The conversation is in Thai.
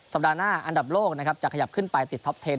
สัปดาห์หน้าอันดับโลกนะครับจะขยับขึ้นไปติดท็อปเทน